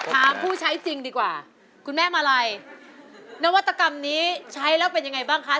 ผู้ใช้จริงดีกว่าคุณแม่มาลัยนวัตกรรมนี้ใช้แล้วเป็นยังไงบ้างคะ